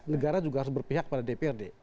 negara juga harus berpihak pada dprd